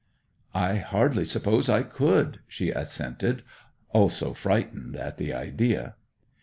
'I hardly suppose I could!' she assented, also frightened at the idea.